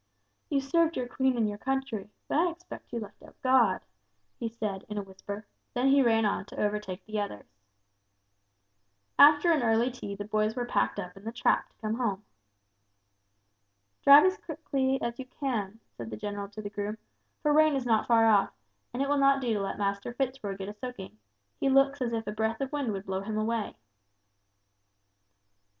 "You served your Queen and country, but I expect you left out God," he said, in a whisper; then he ran on to overtake the others. After an early tea the boys were packed up in the trap to come home. "Drive home as quickly as you can," said the general to the groom, "for rain is not far off, and it will not do to let Master Fitz Roy get a soaking; he looks as if a breath of wind will blow him away."